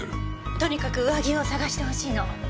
とにかく上着を捜してほしいの。